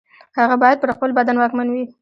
هغه باید پر خپل بدن واکمن وي.